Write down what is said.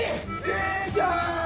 兄ちゃん！